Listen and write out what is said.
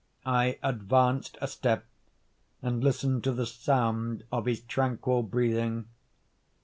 I advanced a step, and listened to the sound of his tranquil breathing.